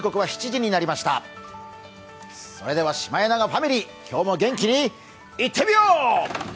それではシマエナガファミリー、今日も元気にいってみよう。